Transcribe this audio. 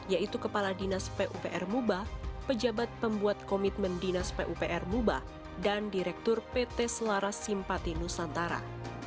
yaitu kepala dinas pupr muba pejabat pembuat komitmen dinas pupr muba dan direktur pt selaras simpati nusantara